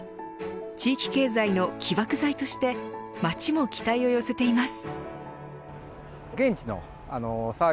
地域経済の起爆剤として町も期待を寄せています。